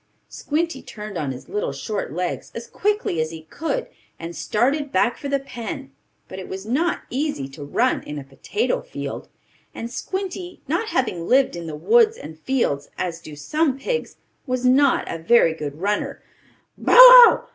Squinty turned on his little short legs, as quickly as he could, and started back for the pen. But it was not easy to run in a potato field, and Squinty, not having lived in the woods and fields as do some pigs, was not a very good runner. "Bow wow!